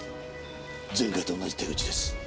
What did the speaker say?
前回と同じ手口です。